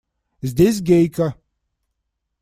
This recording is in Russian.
Здесь Гейка!